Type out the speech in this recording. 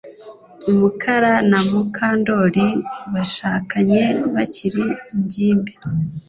Mukara na Mukandoli bashakanye bakiri ingimbi